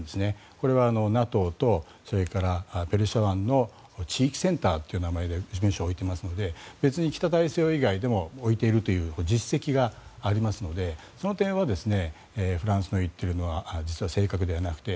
これはＮＡＴＯとペルシャ湾の地域センターという名前で事務所を置いていますので別に北大西洋以外でも置いているという実績がありますのでその点はフランスの言っているのは実は正確ではなくて。